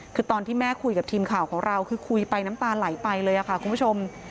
คือตอนที่แม่คุยกับทีมข่าวของเราคือคุยไปน้ำตาไหลไปเลยค่ะคุณผู้ชม